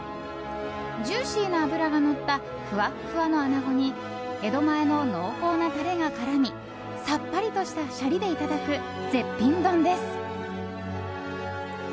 ジューシーな脂がのったふわっふわの穴子に江戸前の濃厚なタレが絡みさっぱりとしたシャリでいただく絶品丼です。